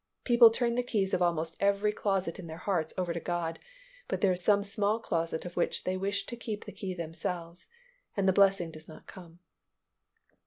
People turn the keys of almost every closet in their heart over to God, but there is some small closet of which they wish to keep the key themselves, and the blessing does not come.